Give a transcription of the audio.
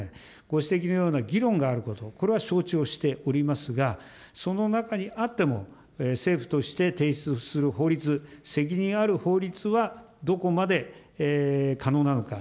ご指摘のような議論があること、これは承知をしておりますが、その中にあっても、政府として提出する法律、責任ある法律はどこまで可能なのか。